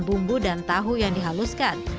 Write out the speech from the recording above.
bumbu tahu yang dihaluskan